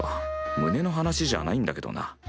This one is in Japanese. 胸の話じゃないんだけどな。